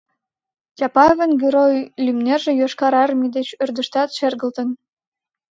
Чапаевын герой лӱмнерже Йошкар Армий деч ӧрдыжтат шергылтын.